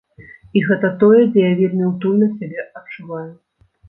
І гэта тое, дзе я вельмі утульна сябе адчуваю.